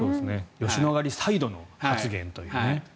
吉野ヶ里サイドの発言という。